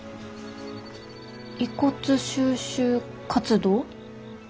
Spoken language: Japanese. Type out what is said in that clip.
遺骨収集活動？